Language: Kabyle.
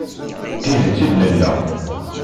D tidet i d-nenna.